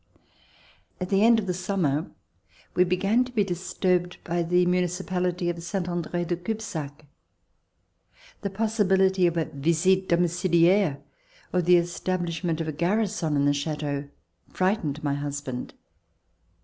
At the end of the summer, we began to be dis turbed by the municipality of Saint And re de Cub zac. The possibility of a visite domiciliaire or the establishment of a garrison in the Chateau frightened my husband.